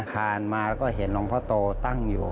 ผ่านมาแล้วก็เห็นหลวงพ่อโตตั้งอยู่